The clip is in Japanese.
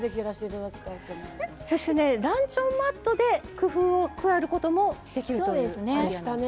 そしてランチョンマットで工夫を加えることもできるという。